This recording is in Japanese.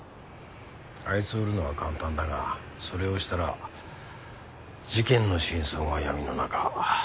「あいつを売るのは簡単だがそれをしたら事件の真相は闇の中」。